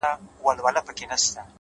o تـا كــړلــه خـــپـــره اشــــنـــــا،